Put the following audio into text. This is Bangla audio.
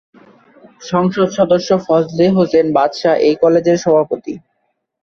সংসদ সদস্য ফজলে হোসেন বাদশা এই কলেজের সভাপতি।